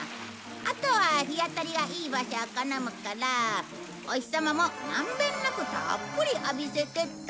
あとは日当たりがいい場所を好むからお日様もまんべんなくたっぷり浴びせてと。